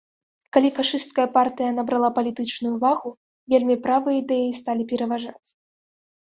Калі фашысцкая партыя набрала палітычную вагу, вельмі правыя ідэі сталі пераважаць.